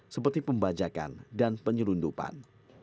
seperti pembajakan dan penyelundupan